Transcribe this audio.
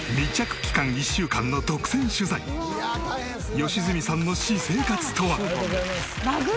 良純さんの私生活とは？